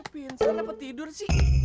binset apa tidur sih